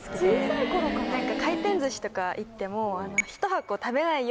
回転寿司とか行っても。